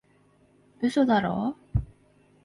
嘘だろ？